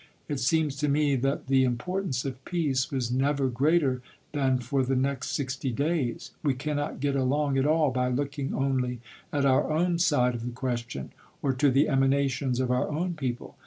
.. It seems to me that the im portance of peace was never greater than for the next sixty days. .. We cannot get along at all by looking only at oui* own side of the question, or to the emanations of our own people.